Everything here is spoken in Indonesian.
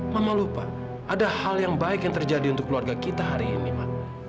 mama lupa ada hal yang baik yang terjadi untuk keluarga kita hari ini mama